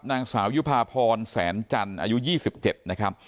นางสาวยุภาพรแสนจันทร์อายุ๒๗นะครับ